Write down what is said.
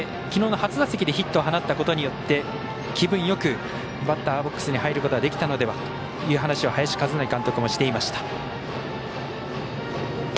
きのうの初打席でヒットを放ったことによって気分よくバッターボックスに入ることができたのではという話を林和成監督もしていました。